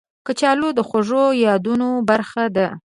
کچالو د خوږو یادونو برخه ده